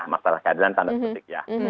masalah keadilan tanda petik ya